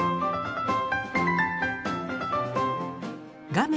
画面